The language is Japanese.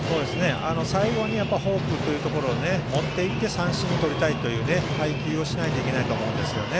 最後にフォークというのを持っていって三振をとりたいという配球をしないといけないと思うんですよね。